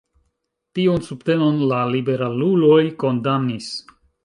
Tiun subtenon la liberaluloj kondamnis.